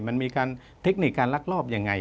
มันมีการเทคนิคการลักลอบยังไง